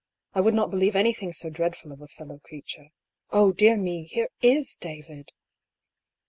I would not believe anything so dreadful of a fellow creature. Oh, dear me, here is David